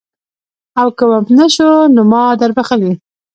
او که وم نه شو نو ما دربخلي.